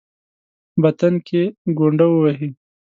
باطن کې ګونډه ووهي.